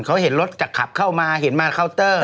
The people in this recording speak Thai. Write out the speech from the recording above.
เขาเห็นรถจากขับเข้ามาเห็นมาเคาน์เตอร์